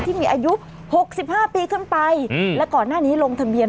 ที่มีอายุ๖๕ปีขึ้นไปและก่อนหน้านี้ลงทะเบียน